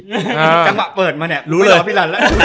จำปะเปิดมาเนี่ยไม่รอพี่ลันละ